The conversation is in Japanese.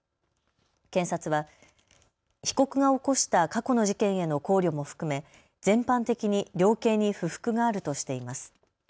検察は被告が起こした過去の事件への考慮も含め全般的に量刑に不服があるとしています。